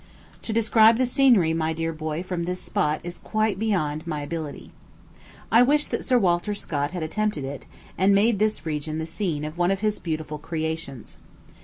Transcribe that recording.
To describe the scenery, my dear boy, from this spot, is quite beyond my ability. I wish that Sir Walter Scott had attempted it, and made this region the scene of one of his beautiful creations.